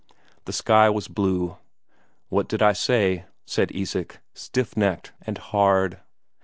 The sky was blue. "What did I say," said Isak, stiff necked and hard.